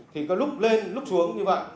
thì có lúc lên lúc xuống như vậy